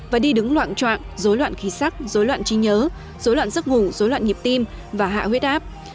và đi đứng loạn trạng dối loạn khí sắc dối loạn trí nhớ dối loạn giấc ngủ dối loạn nhịp tim và hạ huyết áp